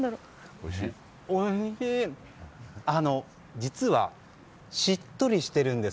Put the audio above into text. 実は、しっとりしているんです。